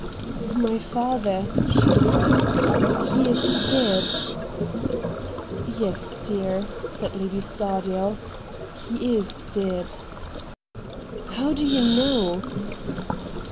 ' My father,' she said. ' He is dead ?'' Yes, dear,' said Lady Scardale. ' He is dead.' ' How do you know